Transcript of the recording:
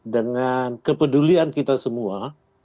dengan kepedulian kita semua